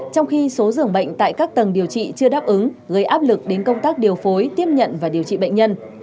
trong khi số dường bệnh tại các tầng điều trị chưa đáp ứng gây áp lực đến công tác điều phối tiếp nhận và điều trị bệnh nhân